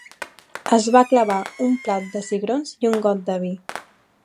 Es va clavar un plat de cigrons i un got de vi.